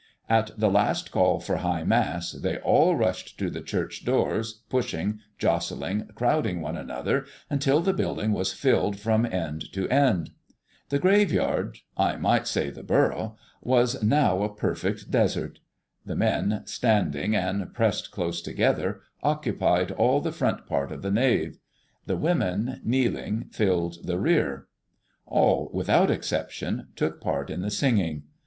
At the last call for High Mass they all rushed to the church doors, pushing, jostling, crowding one another, until the building was filled from end to end. The graveyard I might say the borough was now a perfect desert. The men, standing, and pressed close together, occupied all the front part of the nave; the women, kneeling, filled the rear. All, without exception, took part in the singing.